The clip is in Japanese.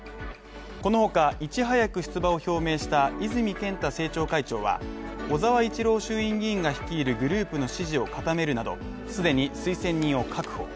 このほか、いち早く出馬を表明した泉健太政調会長は小沢一郎衆院議員が率いるグループの支持を固めるなど、既に推薦人を確保。